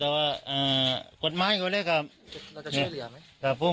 เราจะชื่อเหลือไหม